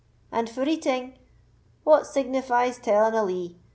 And for eating—what signifies telling a lee?